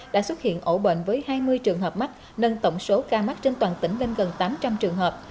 đã xuất hiện ổ bệnh với hai mươi trường hợp mắc nâng tổng số ca mắc trên toàn tỉnh lên gần tám trăm linh trường hợp